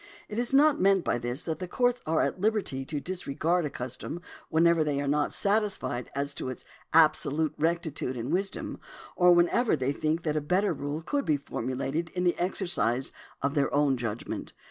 It is not meant by this that the courts are at liberty to disregard a custom whenever they are not satisfied as to its absolute rectitude and wisdom, or whenever they think that a better rule could be formulated in the exercise of their own judgment.